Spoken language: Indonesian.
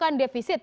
dan bibir per mitra